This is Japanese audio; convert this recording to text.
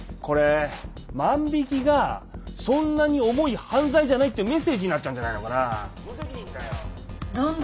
これ万引きがそんなに重い犯罪じゃないっていうメッセージになっちゃうんじゃないのかな？